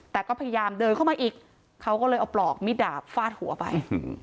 แต่ก็พยายามเดินเข้ามาอีกเขาก็เลยเอาปลอกมิดดาบฟาดหัวไป